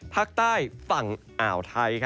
ภาคใต้ฝั่งอ่าวไทย